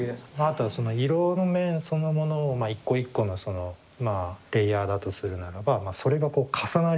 あとはその色の面そのものを一個一個のレイヤーだとするならばそれがこう重なり合ってできている。